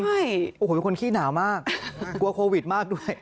ใช่โอ้โหเป็นคนขี้หนาวมากกลัวโควิดมากด้วย